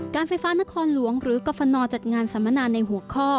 การไฟฟ้านครหลวงหรือกรฟนจัดงานสัมมนาในหัวข้อ